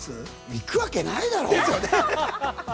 行くわけないだろ！